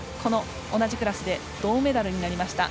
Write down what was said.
同じクラスで銅メダルになりました。